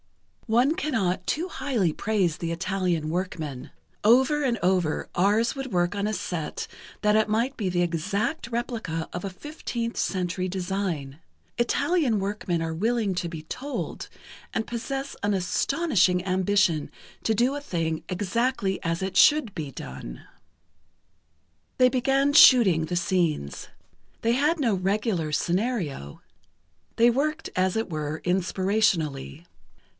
"One cannot too highly praise the Italian workmen. Over and over, ours would work on a set that it might be the exact replica of a 15th Century design. Italian workmen are willing to be told, and possess an astonishing ambition to do a thing exactly as it should be done." They began "shooting" the scenes. They had no regular scenario. They worked, as it were, inspirationally.